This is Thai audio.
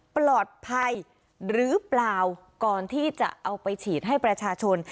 ปลอดภัยหรือเปล่าก่อนที่จะเอาไปฉีดให้ประชาชน